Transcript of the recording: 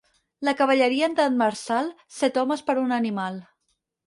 La cavalleria d'en marçal, set homes per un animal.